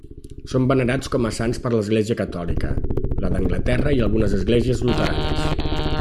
Són venerats com a sants per l'Església catòlica, la d'Anglaterra i algunes esglésies luteranes.